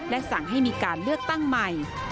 และสั่งให้มีการเลือกตั้งใหม่